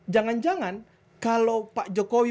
jangan jangan kalau pak jokowi